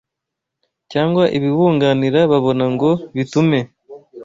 cyangwa ibibunganira babona ngo bitume